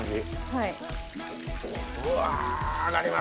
はい。